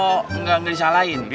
oh nggak disalahin